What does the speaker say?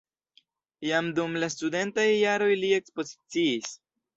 Jam dum la studentaj jaroj li ekspoziciis.